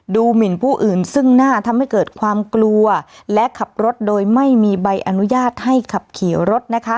หมินผู้อื่นซึ่งหน้าทำให้เกิดความกลัวและขับรถโดยไม่มีใบอนุญาตให้ขับขี่รถนะคะ